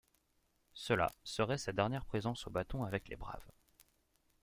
Cela serait sa dernière présence au bâton avec les Braves.